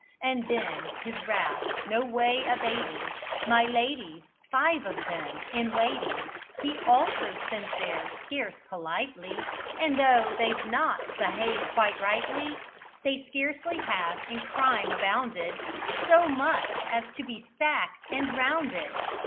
And then, his wrath no way abating, My ladies five of them in waiting He also sent there scarce politely And tho' they've not behaved quite rightly, They scarcely have in crime abounded So much as to be sacked and drownded!